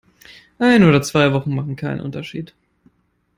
Ein oder zwei Wochen machen keinen Unterschied.